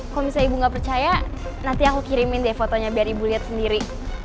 kalau misalnya ibu nggak percaya nanti aku kirimin deh fotonya biar ibu lihat sendiri